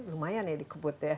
lumayan ya dikubur ya